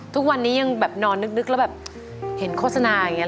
ทุกวันนี้ยังแบบนอนนึกแล้วแบบเห็นโฆษณาอย่างนี้